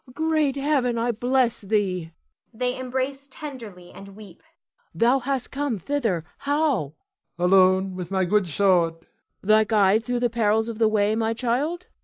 Great Heaven, I bless thee! [They embrace tenderly and weep.] Thou camest thither how? Ion. Alone, with my good sword. Cleon. Thy guide through the perils of the way, my child?